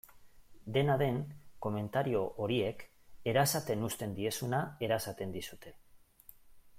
Dena den, komentario horiek erasaten uzten diezuna erasaten dizute.